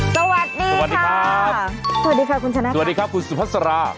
สวัสดีครับสวัสดีครับคุณชนะครับสวัสดีครับคุณสุภาษารา